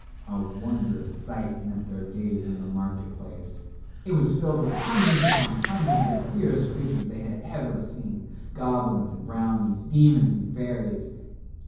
A wondrous sight met their gaze in the market place. It was filled with hundreds upon hundreds of the queerest creatures they had ever seen, goblins and brownies, demons and fairies.